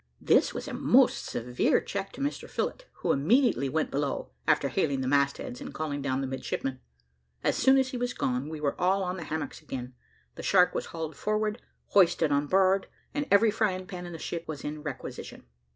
This was a most severe check to Mr Phillott, who immediately went below, after hailing the mast heads, and calling down the midshipmen. As soon as he was gone, we were all on the hammocks again; the shark was hauled forward, hoisted on board, and every frying pan in the ship was in requisition.